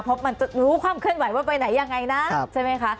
เพราะมันจะรู้ความเคลื่อนไหวว่าไปไหนยังไงนะใช่ไหมคะ